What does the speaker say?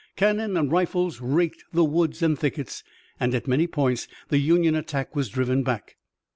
Cannon and rifles raked the woods and thickets, and at many points the Union attack was driven back.